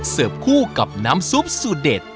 เสิร์ฟคู่กับน้ำซุปสุดเด็ด